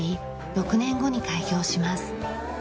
６年後に開業します。